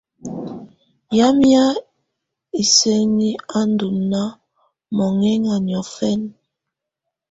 Yamɛ̀á isǝni á ndù nàà mɔŋǝŋa niɔfɛna.